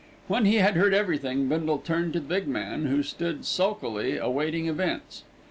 When he had heard everything, Bindle turned to the big man, who stood sulkily awaiting events.